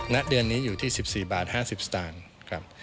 ณเดือนนี้อยู่ที่๑๔บาท๕๐สตางค์ครับ